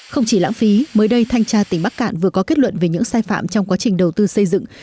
không chỉ lãng phí mới đây thanh tra tỉnh bắc cạn vừa có kết luận về những sai phạm trong quá trình đầu tư xây dựng